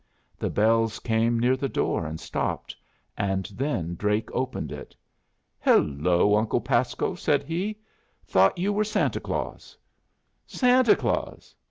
The bells came near the door and stopped, and then Drake opened it. "Hello, Uncle Pasco!" said he. "Thought you were Santa Claus." "Santa Claus!